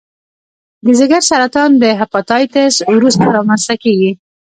د ځګر سرطان د هپاتایتس وروسته رامنځته کېږي.